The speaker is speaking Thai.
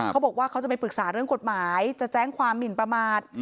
เขาบอกว่าเขาจะไปปรึกษาเรื่องกฎหมายจะแจ้งความหมินประมาท